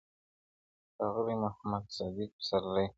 o ښاغلی محمد صدیق پسرلي,